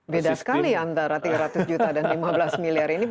beda sekali antara tiga ratus juta dan lima belas miliar ini